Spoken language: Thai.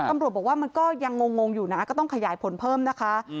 ตำรวจบอกว่ามันก็ยังงงอยู่นะก็ต้องขยายผลเพิ่มนะคะ